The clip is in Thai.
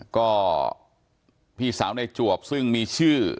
ก็พี่สาวในจวบซึ่งมีชื่อ